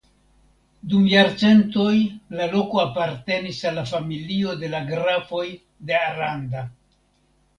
Dum jarcentoj la loko apartenis al la familio de la grafoj de Aranda.